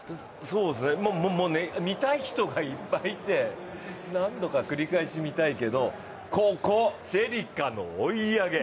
見たい人がいっぱいいて、何度か繰り返し見たいけど、ここ、シェリカの追い上げ。